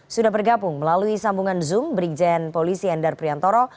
sudah bergabung melalui sambungan zoom brigjen polisi endar priantoro